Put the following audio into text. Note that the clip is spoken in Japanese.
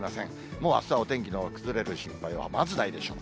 もうあしたはお天気の崩れる心配は、まずないでしょう。